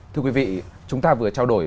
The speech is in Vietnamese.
thưa quý vị chúng ta vừa trao đổi